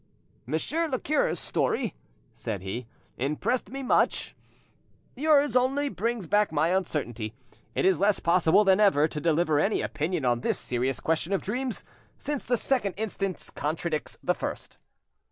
"Monsieur le cure's story," said he, "impressed me much; yours only brings back my uncertainty. It is less possible than ever to deliver any opinion on this serious question of dreams, since the second instance contradicts the first."